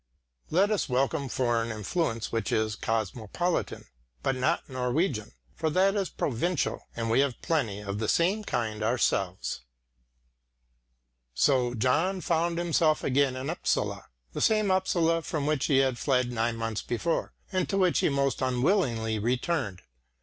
Let us welcome foreign influence which is cosmopolitan; but not Norwegian, for that is provincial, and we have plenty of the same kind ourselves. So John found himself again in Upsala, the same Upsala from which he had fled nine months before, and to which he most unwillingly returned.